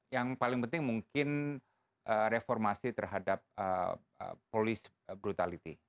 yang paling penting mungkin reformasi terhadap polisi brutalitas